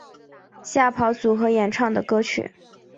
吓跑组合演唱的歌曲。